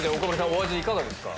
お味いかがですか？